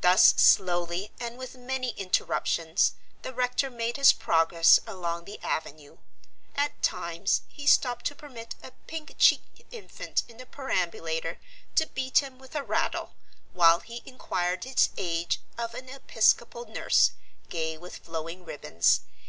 Thus slowly and with many interruptions the rector made his progress along the avenue. At times he stopped to permit a pink cheeked infant in a perambulator to beat him with a rattle while he inquired its age of an episcopal nurse, gay with flowing ribbons.